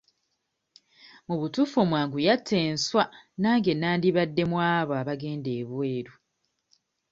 Mu butuufu omwangu yatta enswa nange nandibadde mu abo abagenda ebweru.